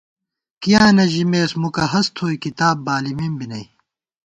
کیاں نہ ژِمېس، مُکہ ہست تھوئی کِتاب بالِمېم بی نئ